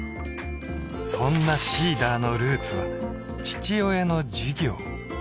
そんなＳｅｅｄｅｒのルーツは父親の事業